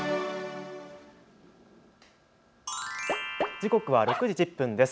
時刻は６時１０分です。